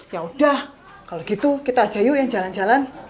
yaudah kalo gitu kita aja yuk ya jalan jalan